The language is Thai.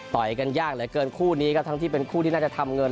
ต่อยกันยากเหลือเกินคู่นี้ก็ทั้งที่เป็นคู่ที่น่าจะทำเงิน